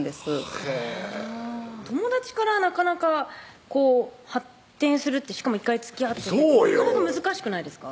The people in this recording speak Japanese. へぇ友達からなかなか発展するってしかも１回つきあっててなかなか難しくないですか？